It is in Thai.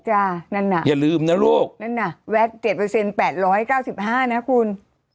จ้านั่นนะแวะ๗๘๙๕นะคุณ